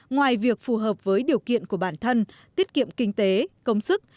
ngoài việc phù hợp với điều kiện của bản thân tiết kiệm kinh tế công sức